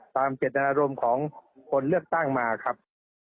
เจตนารมณ์ของคนเลือกตั้งมาครับ